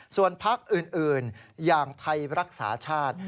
ส่วนพักอื่นอย่างไทยรักษาชาติ